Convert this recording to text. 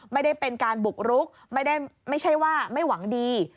ไม่ได้เป็นการบุกรุกไม่ใช่ว่าไม่หวังดี